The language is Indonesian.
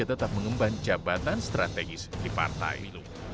jika tetap mengembang jabatan strategis di partai